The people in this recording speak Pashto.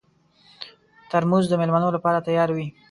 ترموز د مېلمنو لپاره تیار وي.